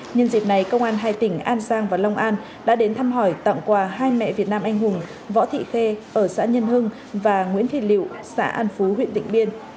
nhân dịp này công an hai tỉnh an giang và long an đã đến thăm hỏi tặng quà hai mẹ việt nam anh hùng võ thị khê ở xã nhân hưng và nguyễn thị liệu xã an phú huyện tịnh biên